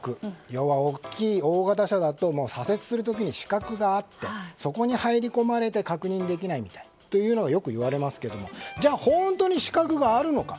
要は大型車だと左折する時に死角があってそこに入り込まれて確認できないというのがよく言われますけどじゃあ、本当に死角があるのか。